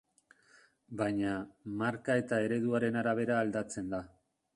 Baina, marka eta ereduaren arabera aldatzen da.